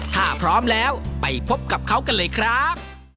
ถ้าพร้อมแล้วไปพบกับเขากันเลยครับ